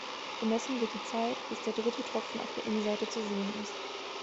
Gemessen wird die Zeit, bis der dritte Tropfen auf der Innenseite zu sehen ist.